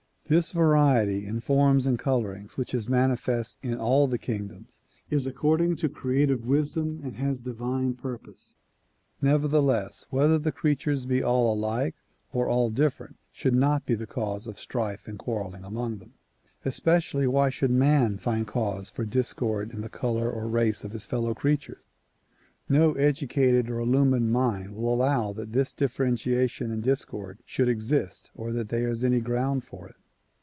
This variety in forms and colorings which is manifest in all the kingdoms is according to creative wisdom and has divine purpose. Nevertheless, whether the creatures be all alike or all different should not be the cause of strife and quarreling among them. Especially why should man find cause for discord in the color or race of his fellow creature? No educated or illumined mind will allow that this differentiation and discord should exist or that there is any ground for it.